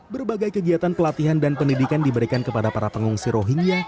berbagai kegiatan pelatihan dan pendidikan diberikan kepada para pengungsi rohingya